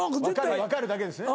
「分かる？」だけですね。